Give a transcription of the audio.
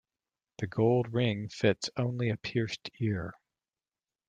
The gold ring fits only a pierced ear.